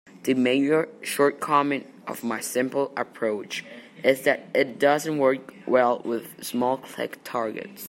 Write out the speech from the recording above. The major shortcoming of my simple approach is that it doesn't work well with small click targets.